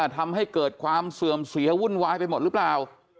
ทำให้เกิดความเสื่อมเสียวุ่นวายไปหมดหรือเปล่า